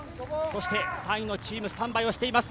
３位のチーム、スタンバイをしています。